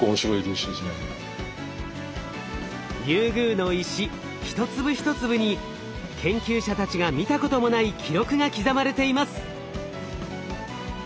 リュウグウの石一粒一粒に研究者たちが見たこともない記録が刻まれています。